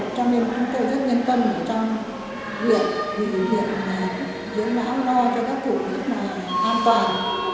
cho nên chúng tôi rất nhanh tâm trong việc giữ máu lo cho các cụ rất an toàn